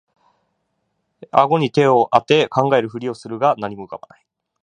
あごに手をあて考えるふりをするが何も浮かばない